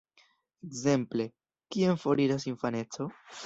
Ekzemple, "Kien foriras infaneco?